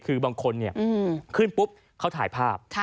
คือบางคนขึ้นปุ๊บเขาถ่ายภาพ